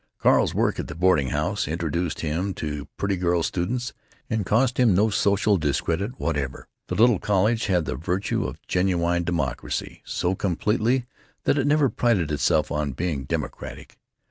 Carl's work at the boarding house introduced him to pretty girl students, and cost him no social discredit whatever. The little college had the virtue of genuine democracy so completely that it never prided itself on being democratic.